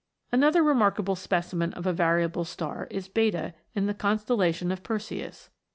Another remarkable specimen of a variable star is Beta, in the constellation of Perseus.